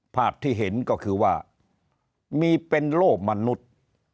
ภาพที่เห็นก็คือว่ามีเป็นโลกมนุษย์